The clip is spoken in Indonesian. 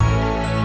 kamu harus bertahan